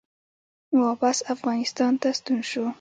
واپس افغانستان ته ستون شو